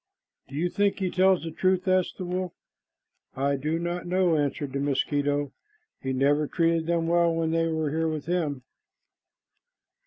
"Do you think he tells the truth?" asked the wolf. "I do not know," answered the mosquito. "He never treated them well when they were with him."